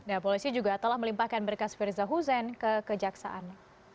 nah polisi juga telah melimpahkan berkas firza husein ke kejaksaan